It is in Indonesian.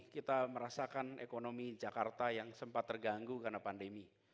kita merasakan ekonomi jakarta yang sempat terganggu karena pandemi